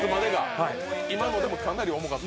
今のでもかなり重かった？